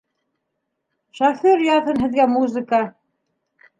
Шофер яҙһын һеҙгә музыка!